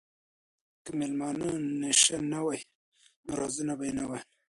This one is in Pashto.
که مېلمانه نشه نه وای نو رازونه به یې نه ویل.